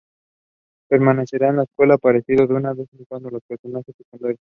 Permanecerá en la escuela apareciendo de vez en cuando como un personaje secundario.